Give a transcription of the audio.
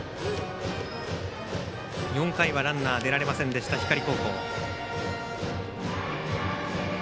４回はランナー出られませんでした光高校。